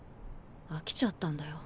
飽きちゃったんだよ